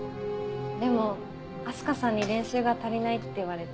でも明日香さんに練習が足りないって言われて。